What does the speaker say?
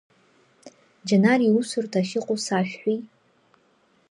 Џьанар иусурҭа ахьыҟоу сашәҳәеи!